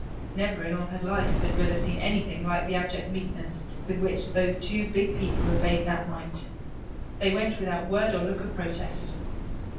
Never, in all her life, had Rilla seen anything like the abject meekness with which those two big people obeyed that mite. They went without word or look of protest.